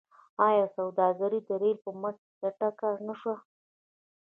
آیا سوداګري د ریل په مټ چټکه نشوه؟